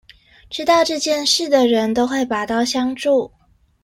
知道這件事的人都會拔刀相助